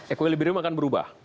equilibrium akan berubah